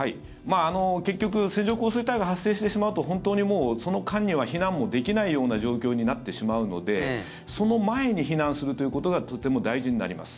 結局、線状降水帯が発生してしまうと本当にもう、その間には避難もできないような状況になってしまうのでその前に避難するということがとても大事になります。